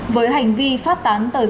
với hành vi phát tán tờ rơi trường